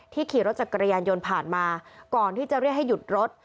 ขี่รถจักรยานยนต์ผ่านมาก่อนที่จะเรียกให้หยุดรถ